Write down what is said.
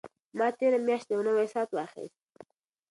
ما تېره میاشت یو نوی ساعت واخیست.